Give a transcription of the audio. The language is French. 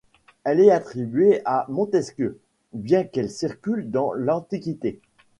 Elle est attribuée à Montesquieu, bien qu'elle circule depuis l'Antiquité.